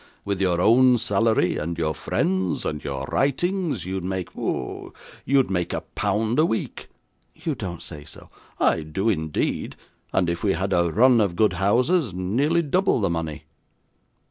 With your own salary, and your friend's, and your writings, you'd make ah! you'd make a pound a week!' 'You don't say so!' 'I do indeed, and if we had a run of good houses, nearly double the money.